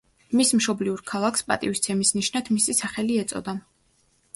მის მშობლიურ ქალაქს პატივისცემის ნიშნად მისი სახელი ეწოდა.